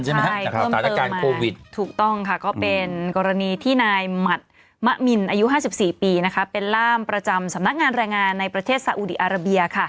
ใช่เพิ่มเติมมาโควิดถูกต้องค่ะก็เป็นกรณีที่นายหมัดมะมินอายุ๕๔ปีเป็นล่ามประจำสำนักงานแรงงานในประเทศสาอุดีอาราเบีย